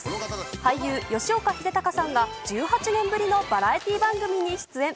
俳優、吉岡秀隆さんが１８年ぶりのバラエティー番組に出演。